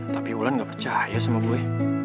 tapi wulan gak percaya sama gue